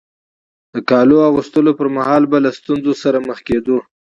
د کالو اغوستلو پر مهال به له ستونزو سره مخ کېدو.